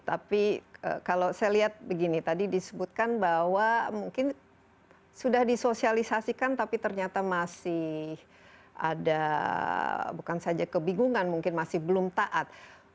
tapi kalau saya lihat begini tadi disebutkan bahwa mungkin sudah disosialisasikan tapi ternyata masih ada bukan saja kebingungan mungkin masih belum taat